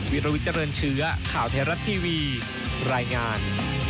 วิลวิเจริญเชื้อข่าวไทยรัฐทีวีรายงาน